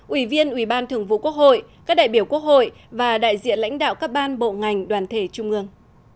ủy viên ủy ban thường vụ quốc hội các đại biểu quốc hội và đại diện lãnh đạo các ban bộ ngành đoàn thể trung ương